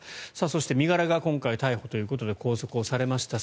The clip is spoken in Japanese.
そして身柄らが今回逮捕ということで拘束されました。